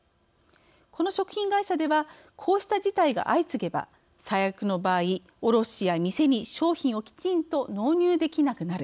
この食品会社ではこうした事態が相次げば最悪の場合、卸や店に商品をきちんと納入できなくなる。